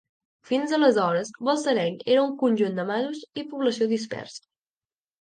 Fins aleshores, Balsareny era un conjunt de masos i població dispersa.